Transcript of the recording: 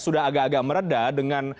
sudah agak agak meredah dengan